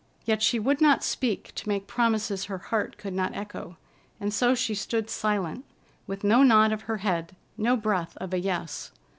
Yet she would not speak to make promises her heart could not echo, and so she stood silent, with no nod of her head, no breath of a "yes."